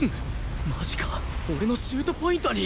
マジか俺のシュートポイントに！